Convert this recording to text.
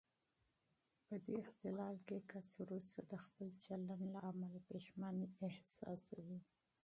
په دې اختلال کې کس وروسته د خپل چلن له امله پښېماني احساسوي.